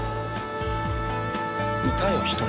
いたよ一人。